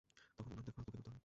তখন উনার দেখভাল তোকেই করতে হবে।